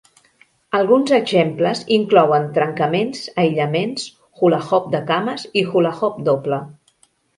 Alguns exemples inclouen trencaments, aïllaments, hula-hoop de cames i hula-hoop doble.